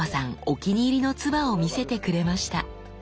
お気に入りの鐔を見せてくれました。